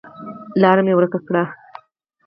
لاره مې ورکه کړه